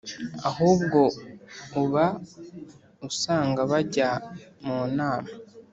ahubwo uba usanga bajya munama